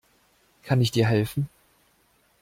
Kann ich dir helfen?